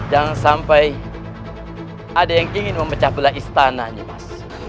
jangan sampai ada yang ingin memecah belah istananya mas